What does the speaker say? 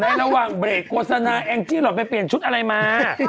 ในระวังเปรกโกสนาเอ้งจิเราไปเปลี่ยนชุดอะไรมา